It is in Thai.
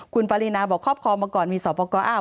คุณปรินาบอกครอบครองมาก่อนมีสอบประกอบอ้าว